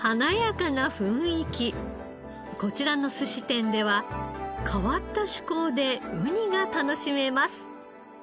こちらのすし店では変わった趣向でウニが楽しめます。